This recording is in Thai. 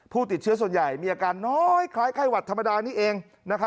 ผู้ติดเชื้อส่วนใหญ่มีอาการน้อยคล้ายไข้หวัดธรรมดานี้เอง